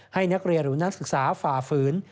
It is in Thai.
ให้นักเรียนหรือนักศึกษาฝ่าฝืน